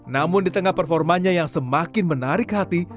namun di tengah performanya yang semakin menarik hati